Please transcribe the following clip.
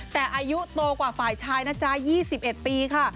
แต่อายุโตกว่าฝ่ายชายนะจ๊ะ๒๑ปีค่ะ